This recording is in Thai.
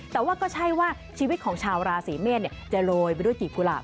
แต่ว่าก็ใช่ว่าชีวิตของชาวราศีเมธเนี่ยจะโรยไปด้วยจีบผู้หลับ